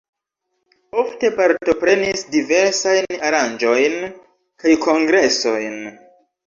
Ofte partoprenis diversajn aranĝojn kaj kongresojn.